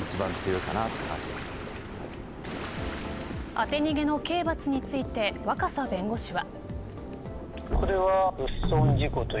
当て逃げの刑罰について若狭弁護士は。